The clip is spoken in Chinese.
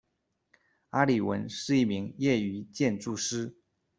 阿理文是一名业余建筑师。